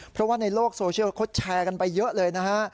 เพราะว่าในโลกโซเชียลเขาแชร์กันไปเยอะเลยนะฮะ